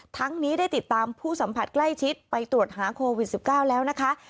ทั้งนี้ได้ติดตามผู้สัมผัสใกล้ชิดไปตรวจหาโควิด๑๙แล้วนะคะ